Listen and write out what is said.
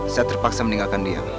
saya terpaksa meninggalkan dia